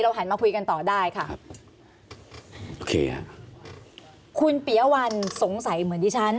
เราหันมาคุยกันต่อได้ค่ะโอเคฮะคุณเปียวันสงสัยเหมือนดิฉัน